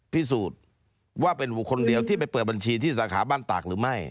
พิสูจน์ว่าเป็นบุคคลเดียวที่ไปเปิดบัญชีที่สาขาบ้านตากหรือไม่